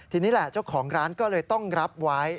ทีนี้แหละเจ้าของร้านก็เลยต้องรับไว้